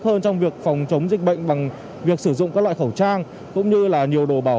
hơn trong việc phòng chống dịch bệnh bằng việc sử dụng các loại khẩu trang cũng như là nhiều đồ bảo